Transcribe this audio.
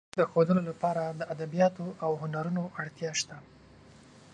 د کلتور د ښودلو لپاره د ادبیاتو او هنرونو اړتیا شته.